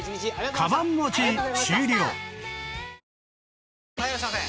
はぁ・はいいらっしゃいませ！